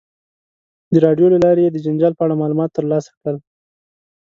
د راډیو له لارې یې د جنجال په اړه معلومات ترلاسه کړل.